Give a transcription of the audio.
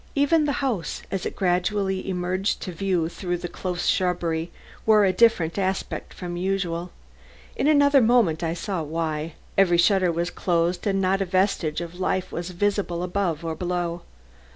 Even the house, as it gradually emerged to view through the close shrubbery, wore a different aspect from usual. In another moment I saw why. Every shutter was closed and not a vestige of life was visible above or below.